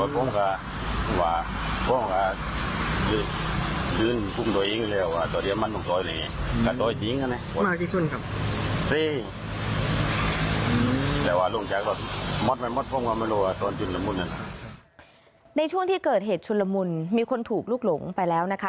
เพราะว่าจะเป็นอะไรบ้าง